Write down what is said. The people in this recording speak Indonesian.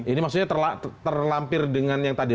ini maksudnya terlampir dengan yang tadi